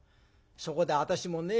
そこで私もね